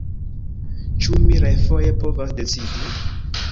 Ĉu mi refoje povas decidi?